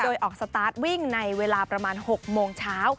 โดยออกสตาร์ทวิ่งในเวลาประมาณ๖โมงเช้า